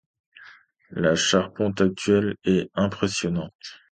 La charpente actuelle est impressionnante.